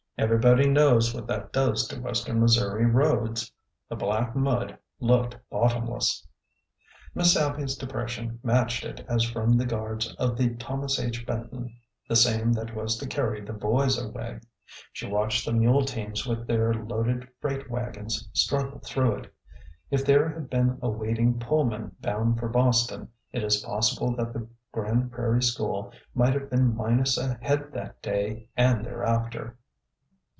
Everybody knows what that does to western Missouri roads. The black mud looked bottomless. Miss Abby's depression matched it as from the guards of the Thomas H. Benton (the same that was to carry the boys away) she watched the mule teams with their loaded freight wagons struggle through it. If there had been a waiting Pullman bound for Boston, it is possible that the Grand Prairie school might have been minus a head that day and thereafter.